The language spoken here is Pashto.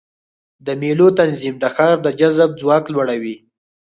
د مېلو تنظیم د ښار د جذب ځواک لوړوي.